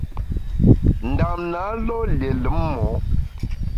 Ndam na lo’ lié lùm mo’.